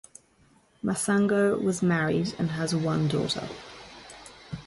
Masango was married and has one daughter.